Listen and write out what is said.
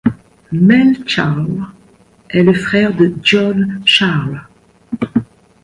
Mel Charles est le frère de John Charles.